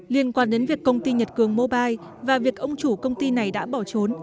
liên quan đến việc công ty nhật cường mobile và việc ông chủ công ty này đã bỏ trốn